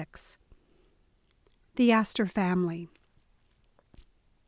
THE ASTOR FAMILY.